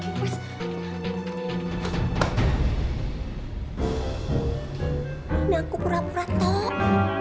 ini aku pura pura kok